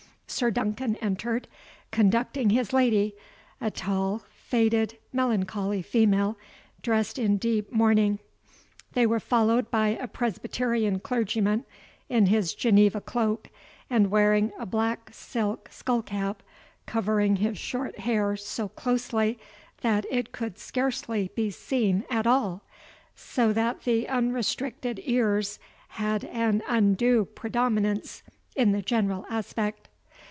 Sir Duncan entered, conducting his lady, a tall, faded, melancholy female, dressed in deep mourning. They were followed by a Presbyterian clergyman, in his Geneva cloak, and wearing a black silk skull cap, covering his short hair so closely, that it could scarce be seen at all, so that the unrestricted ears had an undue predominance in the general aspect.